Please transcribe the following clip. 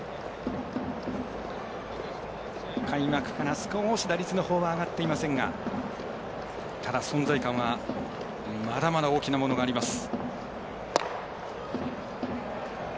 開幕から少し打率のほうは上がっていませんがただ、存在感はまだまだ大きなものがあります。